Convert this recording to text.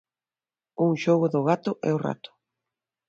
Un xogo do gato e o rato.